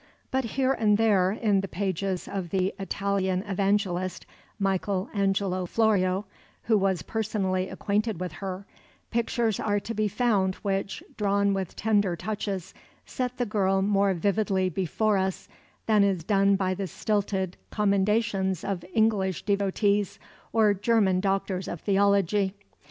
But here and there in the pages of the Italian evangelist, Michel Angelo Florio, who was personally acquainted with her, pictures are to be found which, drawn with tender touches, set the girl more vividly before us than is done by the stilted commendations of English devotees or German doctors of theology.